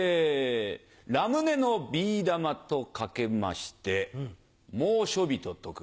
ラムネのビー玉と掛けまして猛暑日と解く。